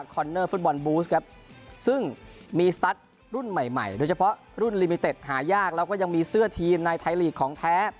เนอร์ฟุตบอลบูสครับซึ่งมีสตัสรุ่นใหม่ใหม่โดยเฉพาะรุ่นลิมิเต็ดหายากแล้วก็ยังมีเสื้อทีมในไทยลีกของแท้